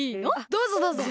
どうぞどうぞ。